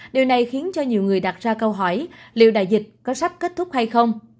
điều này khiến cho nhiều người đặt ra câu hỏi liệu đại dịch có sắp kết thúc hay không